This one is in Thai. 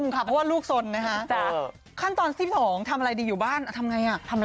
ขั้นตอน๑๒ทำอะไรดีอยู่บ้านทำไงอ่ะ